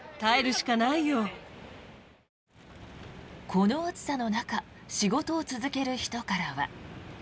この暑さの中仕事を続ける人からは。